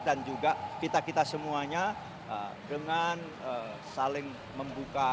dan juga kita kita semuanya dengan saling membuka